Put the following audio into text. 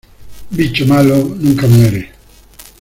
Bicho malo nunca muere.